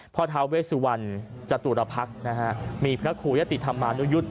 ท้าเวสุวรรณจตุรพักษ์นะฮะมีพระครูยะติธรรมานุยุทธ์